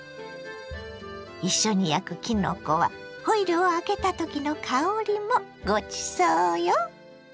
一緒に焼くきのこはホイルを開けたときの香りもごちそうよ。